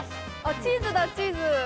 チーズだチーズ！